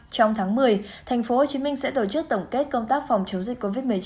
trong tháng một mươi tp hcm sẽ tổ chức tổng kết công tác phòng chống dịch covid một mươi chín